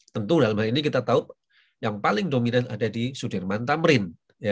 tentu dalam hal ini kita tahu yang paling dominan ada di sudirman tamrin